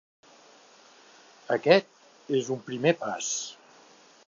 Aquest és un primer pas.